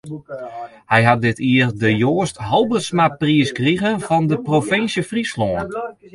Hy hat dit jier de Joast Halbertsmapriis krige fan de Provinsje Fryslân.